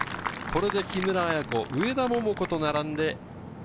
これで木村彩子、上田桃子と並んで−７。